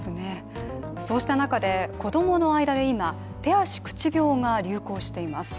そうした中で子供の間で今手足口病が流行しています。